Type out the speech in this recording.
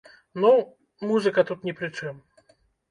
Ну, музыка тут ні пры чым.